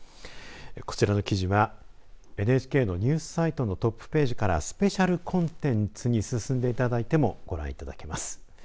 こちらの記事はＮＨＫのニュースサイトのトップページからスペシャルコンテンツに進んでいただいてもご覧いただけます。